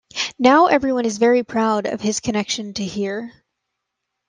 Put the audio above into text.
Now everyone is very proud of his connection to here.